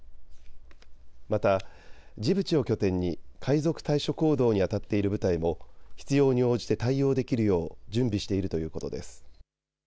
またジブチを拠点に海賊対処行動にあたっている部隊も必要に応じて対応できるよう準備しているということです。